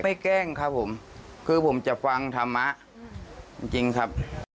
แกล้งครับผมคือผมจะฟังธรรมะจริงครับ